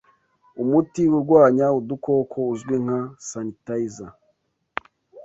Umuti urwanya udukoko uzwi nka sanitizer